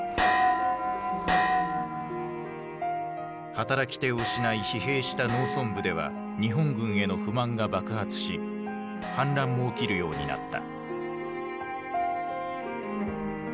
働き手を失い疲弊した農村部では日本軍への不満が爆発し反乱も起きるようになった。